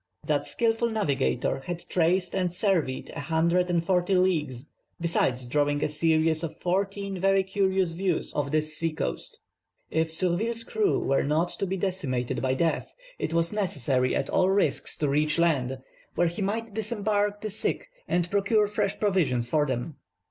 That skilful navigator had traced and surveyed a hundred and forty leagues, besides drawing a series of fourteen very curious views of this sea coast. If Surville's crew were not to be decimated by death, it was necessary at all risks to reach land, where he might disembark the sick, and procure fresh provisions for them.